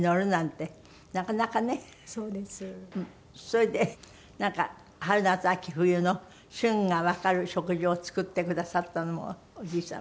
それでなんか春夏秋冬の旬がわかる食事を作ってくださったのもおじい様？